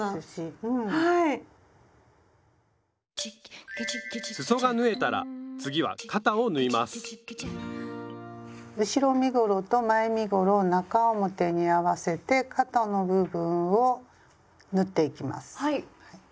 すそが縫えたら次は肩を縫います後ろ身ごろと前身ごろを中表に合わせて肩の部分を縫っていきます。